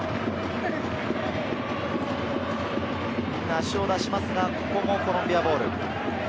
足を出しますが、ここもコロンビアボール。